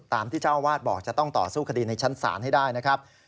ที่เจ้าอาวาสบอกจะต้องต่อสู้คดีในชั้นศาลให้ได้นะครับ